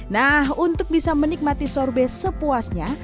nah untuk bisa menikmati sorbet sepuasnya